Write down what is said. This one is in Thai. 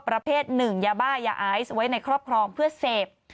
ประเภท๑ยาบ้ายาอาย์ซไว้ในครอบครองเพื่อเสพ